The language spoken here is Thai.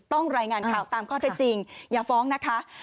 รายงานข่าวตามข้อเท็จจริงอย่าฟ้องนะคะ